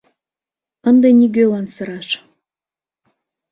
Ынде нигӧлан сыраш.